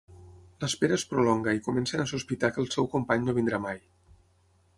L'espera es prolonga i comencen a sospitar que el seu company no vindrà mai.